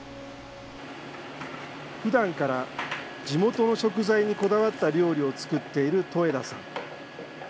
ふだんから地元の食材にこだわった料理を作っている戸枝さん。